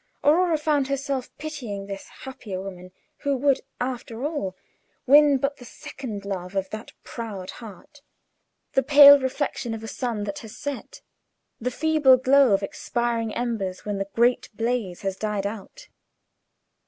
Aurora found herself pitying this happier woman, who would, after all, win but the second love of that proud heart the pale reflection of a sun that has set; the feeble glow of expiring embers when the great blaze has died out.